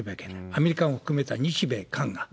アメリカも含めた日米韓が。